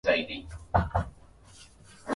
muziki nikualike katika maho